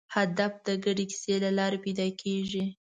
هدف د ګډې کیسې له لارې پیدا کېږي.